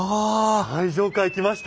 最上階来ましたよ！